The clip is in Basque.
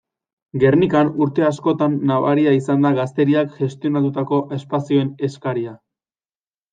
Gernikan urte askoan nabaria izan da gazteriak gestionatutako espazioen eskaria.